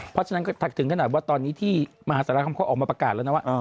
เพราะฉะนั้นก็ถึงขนาดว่าตอนนี้ที่มหาสารคำเขาออกมาประกาศแล้วนะว่า